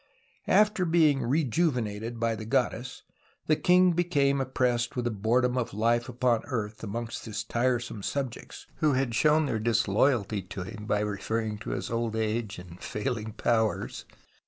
After being rejuvenated by the goddess the king became oppressed with the boredom of hfe upon earth amongst his tiresome subjects, who liad shown their disloyalty to him by referring to his old age and failing powers.